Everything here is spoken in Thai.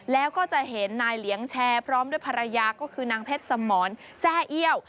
แล้วก็จะเห็นนายเหลียงแชร์พร้อมด้วยภรรยาก็คือนางเพชรสมรแซ่เอี้ยว